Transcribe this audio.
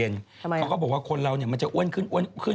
ทำไมเหรอเขาก็บอกว่าคนเราเนี่ยมันจะอ้วนขึ้นขึ้น